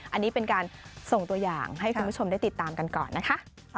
อันนี้เป็นการส่งตัวอย่างให้คุณผู้ชมได้ติดตามกันก่อนนะคะ